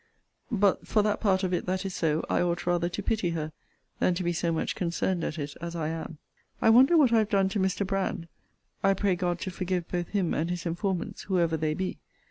But for that part of it that is so, I ought rather to pity her, than to be so much concerned at it as I am. I wonder what I have done to Mr. Brand I pray God to forgive both him and his informants, whoever they be.